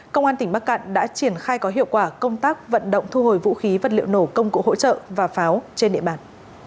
công an tỉnh bắc cạn đã triển khai có hiệu quả công tác vận động thu hồi vũ khí vật liệu nổ công cụ hỗ trợ và pháo trên địa bàn